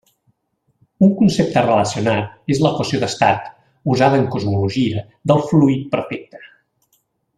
Un concepte relacionat és l'equació d'estat, usada en cosmologia, del fluid perfecte.